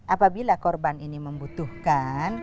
apabila korban ini membutuhkan